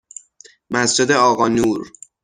مسجد آقا نور